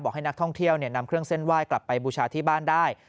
ให้นักท่องเที่ยวนำเครื่องเส้นไหว้กลับไปบูชาที่บ้านได้